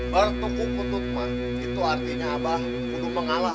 berkutut itu artinya kuda mengalah